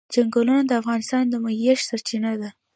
چنګلونه د افغانانو د معیشت سرچینه ده.